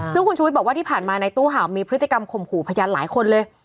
ซึ่งคุณชุวิตบอกว่าที่ผ่านมาในตู้เห่ามีพฤติกรรมข่มขู่พยานหลายคนเลย